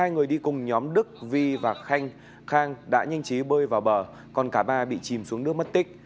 hai người đi cùng nhóm đức vi và khang đã nhanh chí bơi vào bờ còn cả ba bị chìm xuống nước mất tích